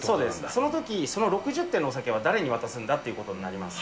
そのとき、その６０点のお酒は誰に渡すんだということになります。